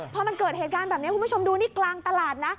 พอมันเกิดเหตุการณ์แบบนี้คุณผู้ชมดูนี่กลางตลาดนะ